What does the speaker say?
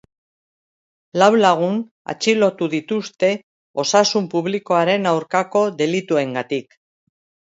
Lau lagun atxilotu dituzte osasun publikoaren aurkako delituengatik.